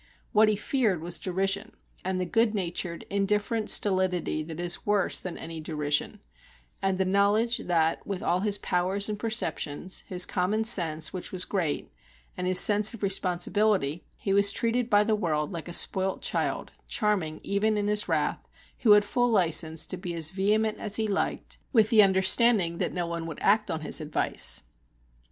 What he feared was derision, and the good natured indifferent stolidity that is worse than any derision, and the knowledge that, with all his powers and perceptions, his common sense, which was great, and his sense of responsibility, he was treated by the world like a spoilt child, charming even in his wrath, who had full license to be as vehement as he liked, with the understanding that no one would act on his advice.